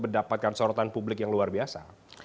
mendapatkan sorotan publik yang luar biasa